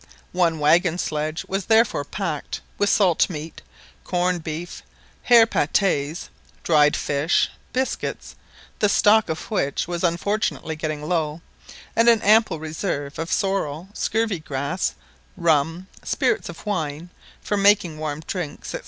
One waggon sledge was therefore packed with salt meat, corned beef, hare patès, dried fish, biscuits—the stock of which was unfortunately getting low—and an ample reserve of sorrel, scurvy grass, rum, spirits of wine, for making warm drinks, &c.